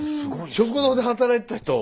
食堂で働いてた人を。